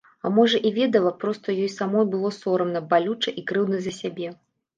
А можа і ведала, проста ёй самой было сорамна, балюча і крыўдна за сябе.